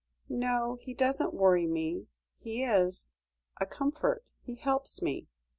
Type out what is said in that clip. "No, he doesn't worry me; he is a comfort, he helps me.